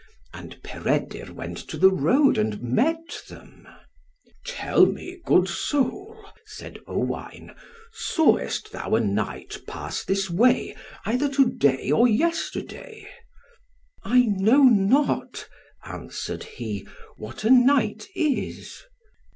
And Peredur went to the road, and met them. "Tell me, good soul," said Owain, "sawest thou a knight pass this way, either to day or yesterday?" "I know not," answered he, "what a knight is."